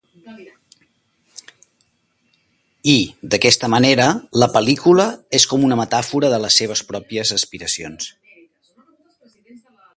I, d'aquesta manera, la pel·lícula és com una metàfora de les seves pròpies aspiracions.